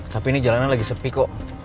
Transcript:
tapi ini jalanan lagi sepi kok